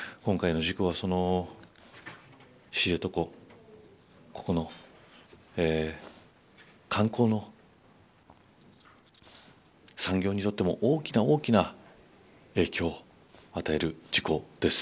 今回の事故は知床の観光の産業にとっても、大きな大きな影響を与える事故です。